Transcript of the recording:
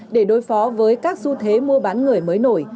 để đối phó với các xu thế mua bán người mới nổi